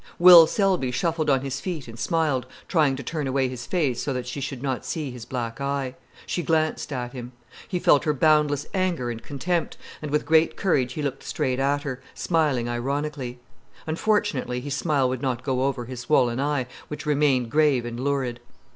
Will Selby shuffled on his feet and smiled, trying to turn away his face so that she should not see his black eye. She glanced at him. He felt her boundless anger and contempt, and with great courage he looked straight at her, smiling ironically. Unfortunately his smile would not go over his swollen eye, which remained grave and lurid.